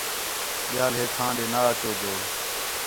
ٻِیال ہے تھاں دے نہ اَچو جو